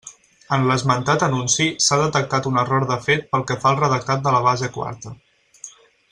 En l'esmentat anunci s'ha detectat un error de fet pel que fa al redactat de la base quarta.